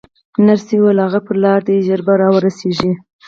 نرسې وویل: هغه پر لار دی، ژر به راورسېږي.